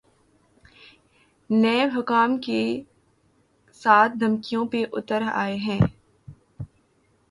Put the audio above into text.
NAB حکام کے ساتھ دھمکیوں پہ اتر آئے ہیں۔